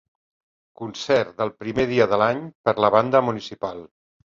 Concert del primer dia de l'any, per la banda municipal.